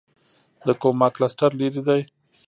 د کوما کلسټر لیرې دی.